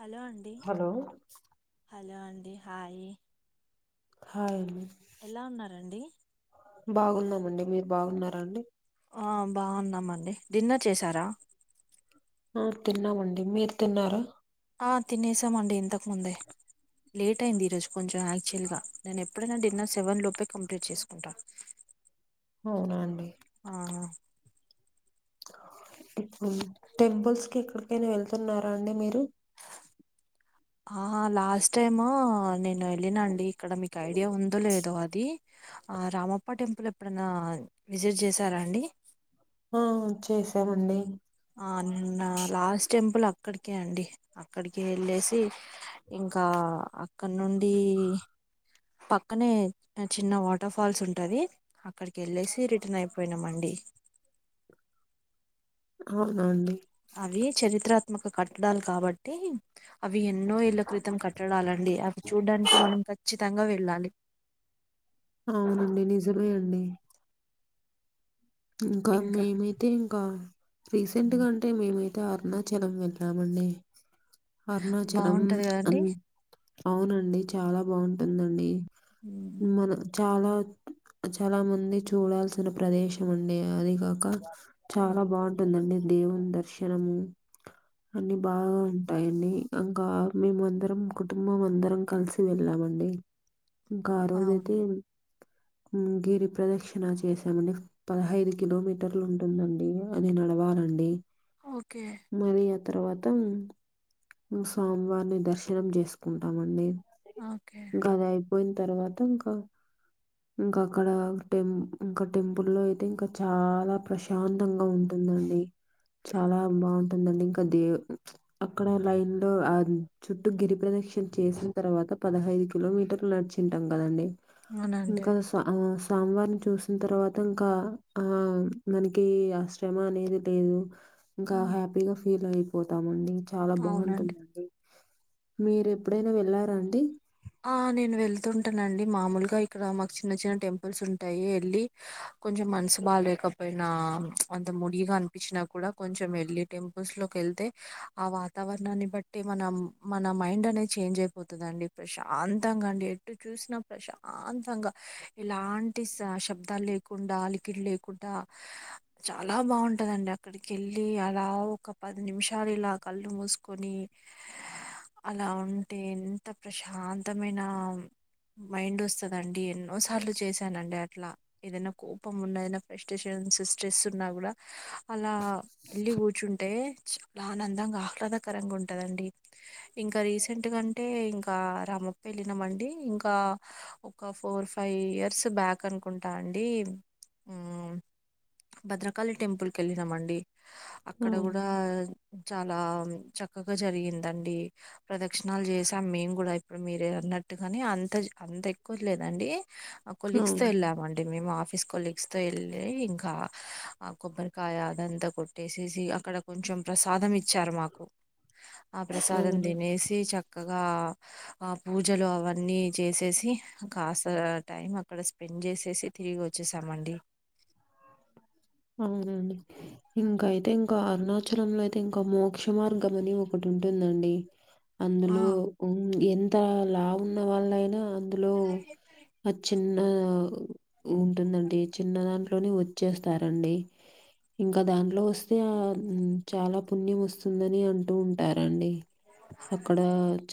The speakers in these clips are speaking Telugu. హలో అండి హలో హలో అండి హాయ్ హాయ్ అండి ఎలా ఉన్నారండి బాగున్నామండి మీరు బాగున్నారా అండి ఆ బాగున్నామండి డిన్నర్ చేసారా ఆ తిన్నామండి మీరు తిన్నారు ఆ తినేసామండి ఇంతకుముందే లేట్ అయింది ఈరోజు కొంచం యాక్చువల్ గా నేను ఎప్పుడైనా డిన్నర్ సెవెన్ లోపే కంప్లీట్ చేసుకుంటా అవున అండి ఆహ ఇప్పుమ్ టెంపుల్స్ కి ఎక్కడికైనా వెళ్తున్నారా అండి మీరు ఆ లాస్ట్ టైము నేను వెళ్ళినా అండి ఇక్కడ మీకు ఐడియా ఉందో లేదో అది ఆ రామప్ప టెంపుల్ ఎప్పుడన్న విజిట్ చేసారా అండి ఆ చేసామండి ఆ నిన్న లాస్ట్ టెంపుల్ అక్కడికే అండి అక్కడికి ఎళ్ళేసి ఇం కా అక్కడ నుండి పక్కనే చిన్న వాటర్ ఫాల్స్ ఉంటది అక్కడికి ఎళ్ళేసి రిటర్న్ అయిపోయినాం అండి అవునా అండి అవి చరిత్రాత్మక కట్టడాలు కాబట్టి అవి ఎన్నో ఏళ్ళ క్రితం కట్టడాలండి అవి చూడ్డానికి మనం ఖచ్చి తంగా వెళ్ళాలి అవునండి నిజమే అండి ఇంకా మేమైతే ఇంకా రీసెంట్గా అంటే మేమై తా అరుణాచలం వెళ్లామండి అరుణాచలం బాగుంటది అం కదండి అవునండి చాలా బాగుంటుందండి మన చాలా చాలా మంది చూడాల్సిన ప్రదేశం అండి అది కాక చాలా బాగుంటుందండి దేవుని దర్శనం అన్ని బాగా ఉంటాయండి ఇంకా మేమందరం కుటుంబం అందరం కలిసి వెళ్ళామండి ఇంకా ఆ రోజు అయితే అవును గిరి ప్రదక్షిణ చేసామండి పదహైదు కిలోమీటర్లు ఉంటుందండి అది నడవాలండి ఓకే మరి అ తర్వాత స్వామివారిని దర్శనం చేసుకుంటామండి ఓకే ఇంక అది అయిపోయిన తర్వాత ఇంక ఇంకా అక్కడ టె ఇంకా టెంపుల్ లో అయితే ఇంకా చాలా ప్రశాంతంగా ఉంట ఉందండి చాలా బాగుంటుందండి ఇంకా దే ఆ అక్కడ లైన్ లో ఆ చుట్టూ గిరి ప్రదక్షిణ చేసిన తర్వాత పదహైదు కిలోమీటర్లు నడిచింట కదండి అవునండి ఇంకా స ఆ స్ సామీవారిని చూసిన తర్వాత ఇంకా ఆ మనకి ఆశ్రమ అనేది లేదు ఇంకా ఉమ్, హ్యాపీగా ఫీల్ అయిపోతామండి చాలా అవునండి బాగుంటుందండి మీరు ఎప్పుడైనా వెళ్లారండి ఆ నేను వెళ్తుంటానండి మామూలుగా ఇక్కడ మాకు చిన్న చిన్న టెంపుల్స్ ఉంటాయి ఎళ్ళి కొంచం మనసు బాగాలేకపోయినా అంత ముడిగా అనిపించినా కూడా కొంచెం వెళ్లి టెంపుల్స్ లో వెళ్తే ఆ వాతావరణాన్ని బట్టి మనం మన మైండ్ అనేది చేంజ్ అయిపోతదండి ప్రశాంతంగా అండి ఎటు చూసినా ప్రశాంతంగా ఎలాంటి శబ్దాలు లె లేకుండా అలికిలు లేకుండా చాలా బాగుంటదండి అక్కడికి ఎళ్ళి అలా ఒక పది నిమిషాలు ఇలా కళ్ళు మూసుకొని అలా ఉంటే ఎంత ప్రశాంతమైన మైండ్ వస్తదండి. ఎన్నో సార్లు చేశానండి అట్లా. ఏదన్నా కోపం ఉన్న, ఏదన్నా ఫ్రస్టేషన్ సిస్ట్రేస్ ఉన్నా కూడా అలా వెళ్ళి కూర్చుంటే చాలా ఆనందంగా, ఆహ్లాద కరంగా ఉంటదండి. ఇంకా రీసెంట్ గా అంటే ఇంకా ఇంకా రామప్ప ఎళ్ళినం అండి ఇంకా ఒక ఫోర్ ఫైవ్ ఇయర్స్ బ్యాక్ అనుకుంటా అం డి భద్రకాళి టెంపుల్ కి ఎళ్ళినం అండి. అక్కడ అవును. కూడా చాలా చక్కగా జరిగిందండి. ప్రదక్షిణాలు చేసాం మేం కూడా ఇప్పుడు మీరే అన్నట్టుగా కానీ అంత అంత ఎక్కువ లేదండి. ఆ కొలీగ్స్ తో అవును. ఎళ్ళామండి మేము ఆఫీస్ కొలీగ్స్ తో ఎళ్ళి ఇంకా ఆ కొబ్బరికాయ అదంతా కొట్టేసేసి అక్కడ కొంచెం ప్రసాదం ఇచ్చారు మాకు. ఆ ప్రసాదం అవును. తినేసి చక్కగా ఆ పూజలు అవన్నీ చేసేసి కాస్త టైం అక్కడ స్పెండ్ చేసేసి తిరిగి వచ్చేసామండి. అవునా అండి. ఇంకా అయితే ఇంకా అరుణాచలం లో అయితే ఇంకా మోక్ష మార్గం అని ఒకటి ఉంటుందండి అందులో ఆ ఎంత లావు ఉన్న వాళ్ళయినా అందులో ఆ చిన్న ఉంటుందండి చిన్న దాంట్లోనే వచ్చేస్తారండి. ఇంకా దాంట్లో వస్తే ఆ చాలా పుణ్యం వస్తుందని అంటూ ఉంటారండి. అక్కడ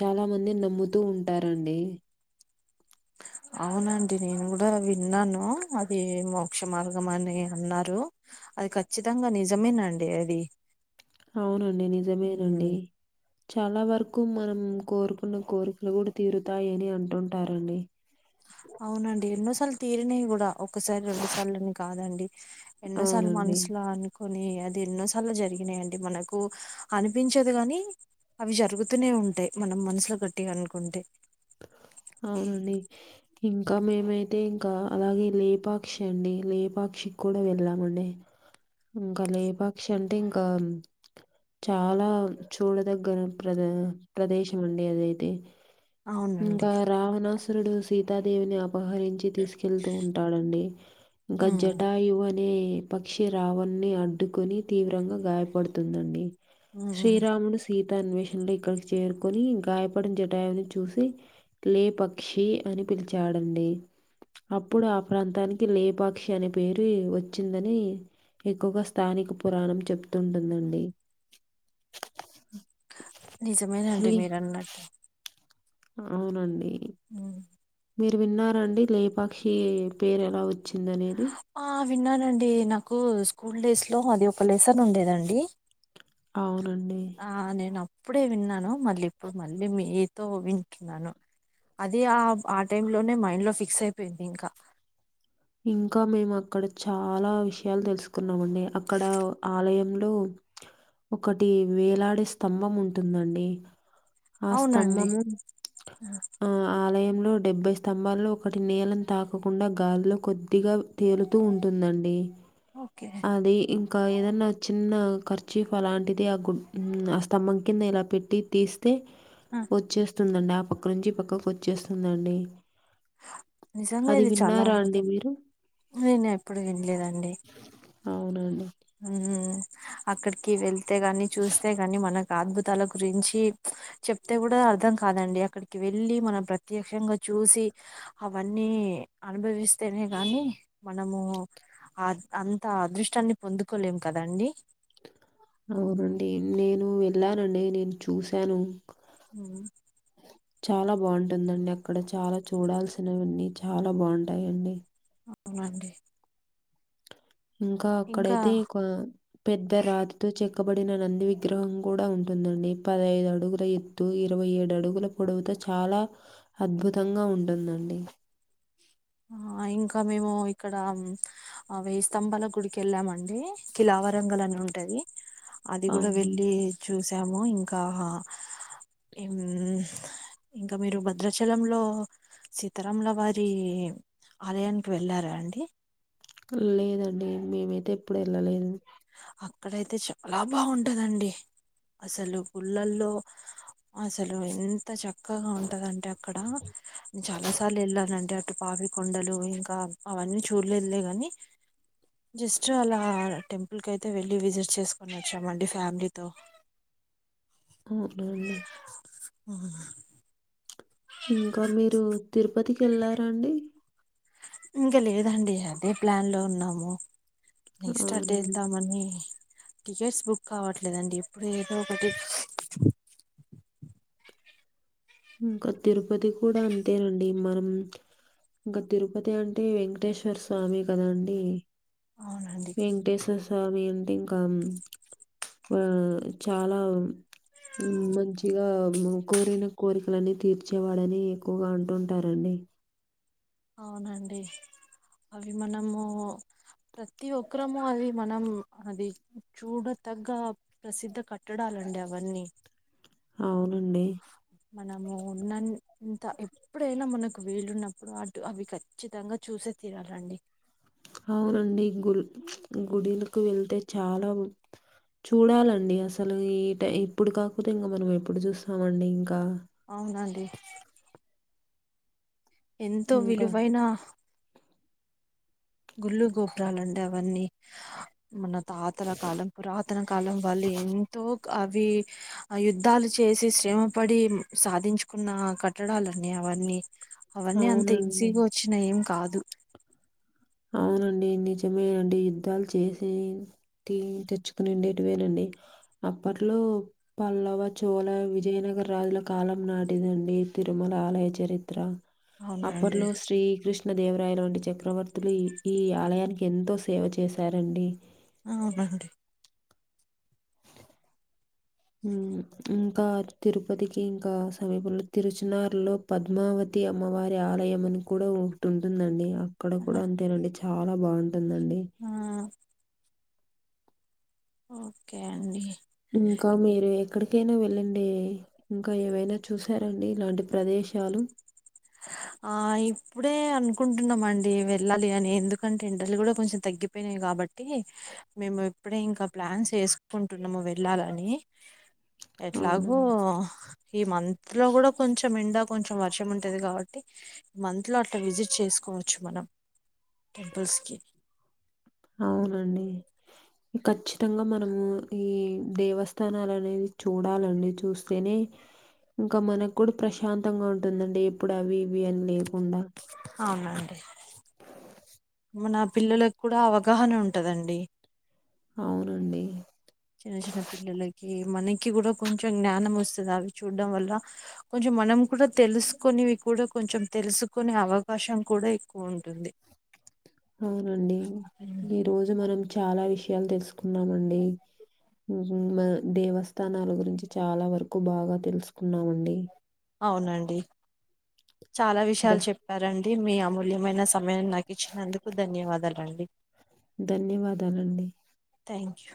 చాలా మంది నమ్ముతూ ఉంటారండి. అవునండి నేను కూడా విన్నాను, అది మోక్ష మార్గం అని అన్నారు. అది ఖచ్చితంగా నిజమేనానండి అది. అవునండి ఉమ్, నిజమేనండి. చాలా వరకు మనం కోరుకున్న కోరికలు కూడా తీరుతాయి అని అంటుంటారండి. అవునండి ఎన్నోసార్లు తీరినయి కూడా. ఒక్కసారి రెండు సార్లని కాదండి. ఎన్నోసార్లు అవునండి మనసులో అనుకో కొన్ని అది ఎన్నోసార్లు జరిగినయండి మనకు అనిపించదు కని అవి జరుగుతూనే ఉంటయి మనం మనసుల గట్టిగా అనుకుంటే. అవునండి ఇంకా మేమైతే ఇంకా అలాగే లేపాక్షి అండి లేపాక్షి కి కూడా వెళ్ళామండి. ఇంకా లేపాక్షి అంటే ఇంకా చాలా చూడదగ్గ ప్రద ప్రదేశం అండి అదైతే. అవునండి ఇంకా రావణాసురుడు సీతాదేవిని అ అపహరించి తీసుకెళ్తూ ఉంటాడండి, ఇంకా ఉమ్, జటాయు అని నే పక్షి రావణున్ని అడ్డుకొని తీవ్రంగా గాయపడుతుందండి. ఉమ్, శ్రీరాముడు సీత అన్వేషణలో ఇక్కడికి చేరుకొని గాయపడిన జటాయువుని చూసి లే పక్షి అని పిలిచాడండి. అప్పుడు ఆ ప్రాంతానికి లేపాక్షి అనే పేరు వచ్చిందని ఎక్కువగా స్థానిక పురాణం చెప్తుంటుందండి. నిజమేనండి మీ మీరు అన్నట్టు. అవునండి. ఉ మీరు విన్నారా అండి లేపాక్షి పేరు ఎలా వచ్చిందనేది. ఆ విన్నానండి నాకు స్కూల్ డేస్ లో అది ఒక లెసన్ ఉండేదండి. అవునండి. ఆ నేను అప్పుడే విన్నాను మళ్ళీ ఇప్పుడు మళ్ళీ మీతో వింటున్నాను. అదే ఆ ఆ టైం లోనే మైండ్ లో ఫిక్స్ అయిపోయింది ఇంకా. ఇంకా మేము అక్కడ చాలా విషయాలు తెలుసుకున్నామండి అక్కడ ఆలయంలో లో ఒకటి వేలాడే స్తంభం ఉంటుందండి. ఆ అవునండి స్తంభము ఆ ఆలయంలో డెబ్బై స్తంభాల్లో ఒకటి నేలను తాకకోకుండా గాల్లో కొద్దిగా తేలుతూ ఉంటుందండి ఓకే అది ఇంకా ఏదన్నా చిన్న ఖర్చీప్ అలాంటిది ఆ గు ఆ స్తంభం కింద ఇలా పెట్టి తీస్తే ఆ, వచ్చే వస్తుందండి ఆ పక్క నుంచి పక్కకి వచ్చేస్తుందండి నిజంగా అది ఇది చాలా విన్నారా అండి అద్భుతం మీరు? నేను ఎప్పుడు వినలేదండి అవునండి. హు అక్కడికి వెళ్తే గాని చూస్తే గాని మనకు అద్భుతాల గురించి చెప్తే కూడా అర్ధం కాదండి అక్కడికి వెళ్ళి మనం ప్రత్యక్షంగా చూసి అవన్నీ అనుభవిస్తేనే గానీ మనము అ అంత అదృష్టాన్ని పొందుకోలేం కదండి అవునండి నేను వెళ్ళానండి నేను చూశాను ఉ చాలా బాగుంటుందండి అక్కడ చాలా చూడాల్సినవన్నీ చాలా బాగుంటాయి అండి అవునండి ఇంకా అక్కడైతే పెద్ద రాతితో చెక్క చేక్కబడిన నంది విగ్రహం కూడా ఉంటుందండి పదహైదు అడుగుల ఎత్తు ఇరవై ఏడు అడుగుల పొడవుతో చాలా అద్భుతంగా ఉంటుంది అండి ఆ ఇంకా మేము ఇక్కడ వేయి స్తంభాల గుడికి వెళ్ళామండి కిలా వరంగల్ అని ఉంటది అది కూడా అవును. వెళ్ళి చూసాము ఇంకా ఎమ్ ఇంకా మీరు భద్రాచలంలో సీతారాముల వారి ఆలయానికి వెళ్ళారా అండి లేదండి మేమైతే ఎప్పుడు వెళ్ళలేదు అక్కడైతే చాలా బాగుంటది అండి అసలు గుళ్లల్లో అసలు ఎంత చక్క చక్కగా ఉంటదంటే అక్కడ చాలా సార్లు వెళ్ళానండి అ అటు పాపి కొండలు ఇంకా అవన్నీ చూడలేదులే గాని జస్ట్ అలా టెంప్ ల్కి అయితే వెళ్ళి విజిట్ చేసుకుని వచ్చామండి ఫ్యామిలీతో అవునండి. ఆ ఇంకా మీరు తిరుపతికి వెళ్లారా అండి ఇంకా లేదండి అదే ప్లాన్ లో ఉన్నాము నెక్స్ట్ అటే అవునవును. వెళ్దామని టికెట్స్ బుక్ కావట్లేదండి ఎప్పుడు ఏదో ఒకటి ఇంకా తిరుపతి కూడా అంతేనండి మనం ఇంకా తిరుపతి అంటే వెంకటేశ్వర స్వామి కదా అండి అవునండి వెంకటేశ్వర స్వామి అంటే ఇంకా ఆ చాలా మంచిగా కోరిన కోరికల అన్ని తీర్చేవాడని ఎక్కువగా అంటుంటారండి అవునండి అవి మనము ప్రతి ఒక్కరము అది మనం అది చూడ తగ్గ ప్రసిద్ధ కట్టడాలు రండి అవన్నీ అవునండి. మనము ఉన్నన్నీ ఇంత ఎప్పుడైనా మనకు విలున్నప్పుడు అటు అవి ఖచ్చితంగా చూసే తీరాలండి అవునండి గు గుడిలకు వెళ్తే చాలా చూడాలండి అసలు ఈ ఇప్పుడు కాకపోతే ఇంకా మనం ఎప్పుడు చూస్తామండి ఇంకా అవునండి ఎంతో ఇంకా విలువైన గుళ్ళు గోపురాలండి అవన్నీ మన తాతల కాలం పురాతన కాలం వాళ్ళు ఎంతో అవి యుద్ధాలు చేసి శ్రమపడి సాధించుకున్న కట్టడాలన్నీ అవన్నీ అవన్నీ అంత అవునండి. ఈజీగా వచ్చినవి ఏం కాదు అవునండి నిజమే అండి యుద్ధాలు చేసి తీ తెచ్చుకునిండేటివేనండి అప్పట్లో పల్లవ చోల విజయనగర రాజుల కాలం నాటిదండి తిరుమల ఆలయ చరిత్ర అవునండి అప్పట్లో శ్రీకృష్ణ దేవరాయు లాంటి చక్రవర్తి రి ఈ ఆలయానికి ఎంతో సేవ చేశారండి అవునండి ఇంకా తిరుపతికి ఇంకా సమీపంలో తిరుచనారులో పద్మావతి తి అమ్మవారి ఆలయం అని కూడా ఒకటి ఉంటుందండి అక్కడ కూడా అంతేనండి చాలా బాగుంటుందండి ఆ ఓకే అండి ఇంకా మీరు ఎక్కడికైనా వెళ్ళండి ఇంకా ఏవైనా చూసారండి ఇలాంటి ప్రదే శాలు ఆ ఇప్పుడే అనుకుంటున్నామండ్డి వెళ్ళాలి అని ఎందుకంటే ఎండలు కూడా కొంచెం తగ్గిపోయినాయి కాబ బట్టి మేము ఎప్పుడే ఇంకా ప్లాన్ చేసుకుంటున్నాము వెళ్ళాలని ఎట్లాగు అవునండి. ఈ మంత్ లో కూడా కొంచెం ఎండా కొంచెం వర్షం ఉంట ఉంటది కాబట్టి మంత్ లో అట్లా విజిట్ చేసుకోవచ్చు మనం టెంపుల్స్కి అవునండి ఖచ్చితంగా మనము ఈ దేవస్థానాలు అనేది చూడాలండి చూస్తేనే ఇంకా మనకు కూడా ప్రశాంతంగా ఉంటుందండి ఎప్పుడు అవి ఇవి అని లేకుండా అవునండి మన పిల్లలకు కూడా అవగాహన ఉంటదండి అవునండి చిన్న చిన్న పిల్లలకి మనకి కూడా కొంచెం జ్ఞానం వస్తది అవి చూడ్డం వల్ల కొంచెం మనం కూడా తెలుసుకోనివి కూడా కొంచెం తెలుసుకునే అవకాశం కూడా ఎక్కువ ఉంటుంది అవునండి ఈ రోజు మనం చాలా విషయాలు తెలుసుకున్నామండి ఉ హమ్ మా దేవస్థానాల గురించి చాలా వరకు బాగా తెలుసుకున్నామండి అవునండి చాలా ధ విషయాలు చెప్పారండి మీ అమూల్యమైన స సమయం నాకు ఇచ్చినందుకు ధన్యవాదాలండి ధన్యవాదాలండి థ్యాంక్ యూ